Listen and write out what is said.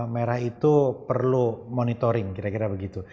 merah itu perlu monitoring kira kira begitu